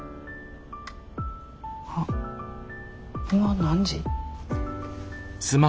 あっ今何時？